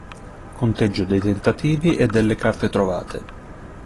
Conteggio dei tentativi e delle carte trovate.